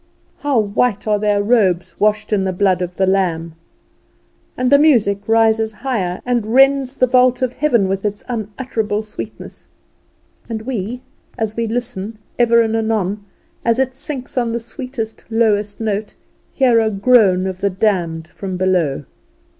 How white are their robes, washed in the blood of the Lamb! And the music rises higher, and rends the vault of heaven with its unutterable sweetness. And we, as we listen, ever and anon, as it sinks on the sweetest, lowest note, hear a groan of the damned from below.